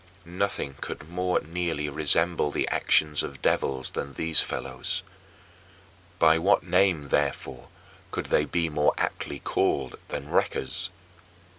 Nothing could more nearly resemble the actions of devils than these fellows. By what name, therefore, could they be more aptly called than "wreckers"?